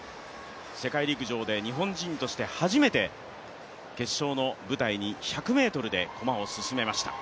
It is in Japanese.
世界陸上で日本人として初めて決勝の舞台に１００ｍで駒を進めました。